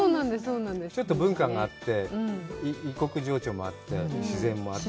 文化があって、異国情緒もあって、自然もあって。